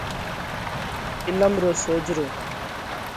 عِلم رو سوجھرو۔